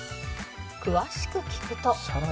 「詳しく聞くと」